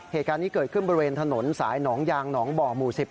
เหตุการณ์นี้เกิดขึ้นบริเวณถนนสายหนองยางหนองบ่อหมู่๑๐